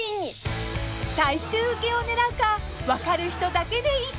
［大衆受けを狙うか分かる人だけでいいか］